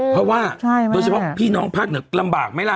เพราะว่าโดยเฉพาะพี่น้องภาคเหนือลำบากไหมล่ะ